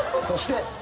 そして。